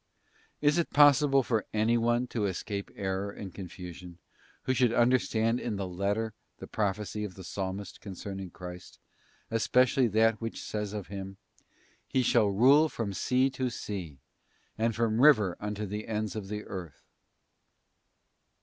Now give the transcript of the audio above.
Is it possible for anyone to escape error and confusion, who should understand in the letter the prophecy of the Psalmist concerning Christ, especially that which says of Him, 'He shall rule from sea to sea, and from the river unto the ends of the earth'?